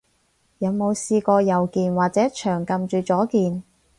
有冇試過右鍵，或者長撳住左鍵？